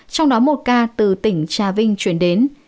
trong đó một ca từ tỉnh trà vinh chuyển đến